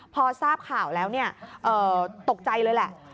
พอทราบข่าวแล้วตกใจเลยแหละ